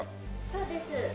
そうです。